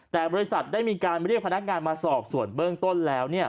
แต่บริษัทได้มีการเรียกพนักงานมาสอบส่วนเบื้องต้นแล้ว